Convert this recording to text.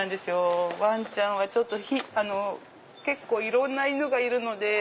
わんちゃんは結構いろんな犬がいるので。